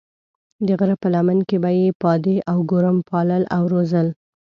د غره په لمن کې به یې پادې او ګورم پالل او روزل.